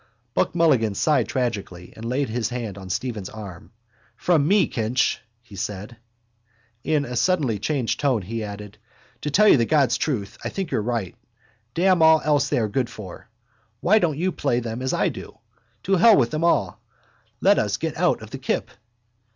Buck Mulligan sighed tragically and laid his hand on Stephen's arm. —From me, Kinch, he said. In a suddenly changed tone he added: —To tell you the God's truth I think you're right. Damn all else they are good for. Why don't you play them as I do? To hell with them all. Let us get out of the kip.